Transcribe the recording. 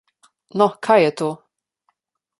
No, kaj je to?